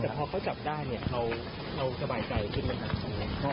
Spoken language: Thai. แต่พอเขาจับได้เนี่ยเราสบายใจขึ้นไหมครับ